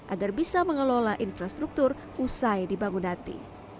agar bisa mengelola infrastruktur usai di bangunati